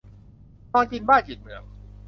นอนกินบ้านกินเมือง